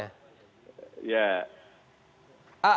enggak ada hubungannya